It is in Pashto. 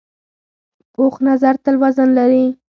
پوخ نظر تل وزن لري